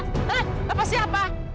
hah bapak siapa